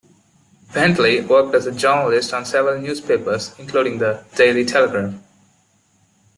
Bentley worked as a journalist on several newspapers, including the "Daily Telegraph".